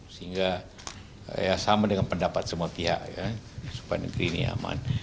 sehingga ya sama dengan pendapat semua pihak ya supaya negeri ini aman